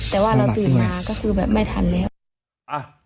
แต่ว่าเราตื่นมาก็คือแบบไม่ทันแล้ว